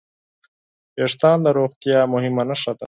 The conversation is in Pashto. وېښتيان د روغتیا مهمه نښه ده.